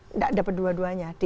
tidak dapat dua duanya